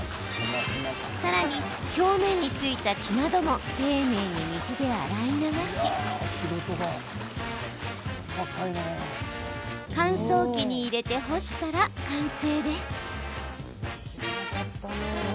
さらに、表面に付いた血なども丁寧に水で洗い流し乾燥機に入れて干したら完成です。